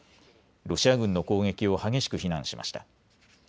ロシア軍の攻撃を激しく非難しました。